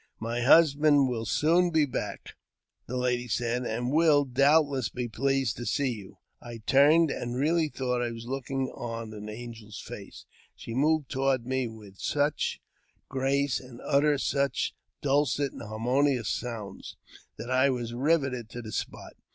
" My husband will soon be back," the lady said, " and be, doubtless, pleased to see you." I turned, and really thought I was looking on an angi face. She moved toward me with such grace, and uttered sue dulcet and harmonious sounds, that I was riveted to the i spot.